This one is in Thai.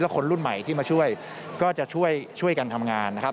คนรุ่นใหม่ที่มาช่วยก็จะช่วยกันทำงานนะครับ